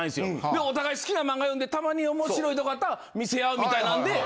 でお互い好きな漫画読んでたまに面白いとこあったら見せ合うみたいなんで。